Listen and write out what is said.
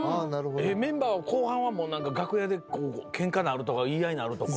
メンバーは後半はもうなんか楽屋でケンカになるとか言い合いになるとかは？